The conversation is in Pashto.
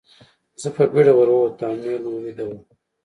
زه په بېړه ور ووتم او مور مې ویده وه